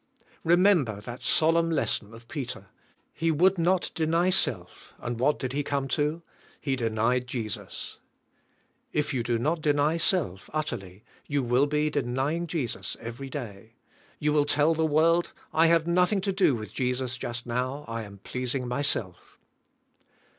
Remember that solemn lesson of Peter. He would not deny self and what did he come to? He denied Jesus. If you do not deny self utterly you will be denying Jesus every day. You 54 THE SPIRITUAL LIFK. will tell the world, "I have nothing to do with Je sus just now, I am pleasing myself."